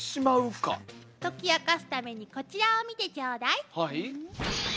解き明かすためにこちらを見てちょうだい。